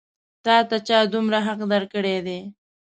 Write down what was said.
تا ته چا دومره حق درکړی دی؟